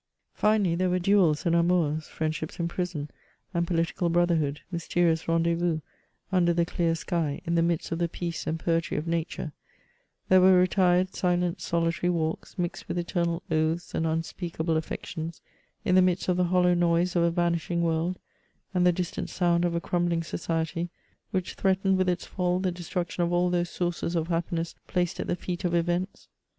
Finally, there were duels and amours, friendships in prison, and political brotherhood, mysterious rendezvous, under the clear sky, in the midst of the peace and poetry of nature ; there were retired, silent, solitary walks, mixed with eternal oaths and unspeakable affections, in the midst of the hollow noise of a vanishing world and the distant sound of a crumbling society, which threatened with its fall the destruction of all those sources of happiness placed at the feet of events.